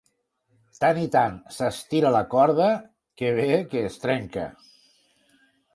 Tant i tant s'estira la corda, que ve que es trenca.